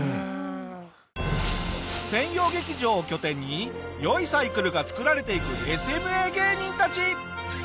専用劇場を拠点に良いサイクルが作られていくＳＭＡ芸人たち。